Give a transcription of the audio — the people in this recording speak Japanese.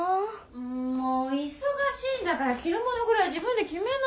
んもういそがしいんだからきるものぐらい自分できめなさい。